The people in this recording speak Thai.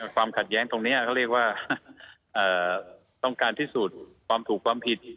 ความขัดแย้งตรงนี้เขาเรียกว่าต้องการพิสูจน์ความถูกความผิด